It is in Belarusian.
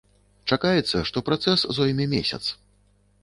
Чакаецца, што працэс зойме месяц.